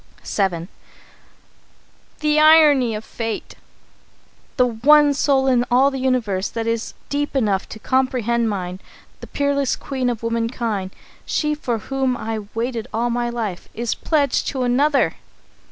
VII. "The irony of Fate! The one soul in all the universe that is deep enough to comprehend mine, the peerless queen of womankind, she for whom I have waited all my life, is pledged to another!